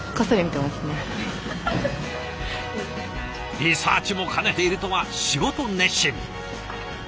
リサーチも兼ねているとは仕事熱心！